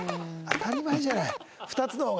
当たり前じゃない。